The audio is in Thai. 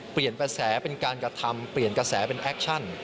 เปลี่ยนกระแสเป็นการกระทำเปลี่ยนกระแสเป็นแอคชั่น